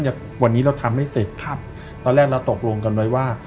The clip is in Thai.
ตอนแรกเราตกลงกันเลยว่า